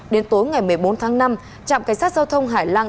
đến tối ngày một mươi bốn tháng năm trạm cảnh sát giao thông hải lăng